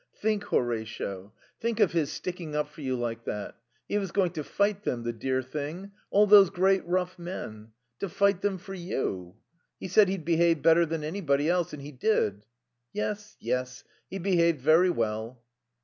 Think, Horatio. Think of his sticking up for you like that. He was going to fight them, the dear thing, all those great rough men. To fight them for you. He said he'd behave better than anybody else, and he did." "Yes, yes. He behaved very well."